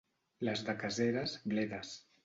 Les de Caseres, bledes.